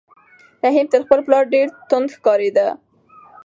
رحیم تر خپل پلار ډېر توند ښکارېده.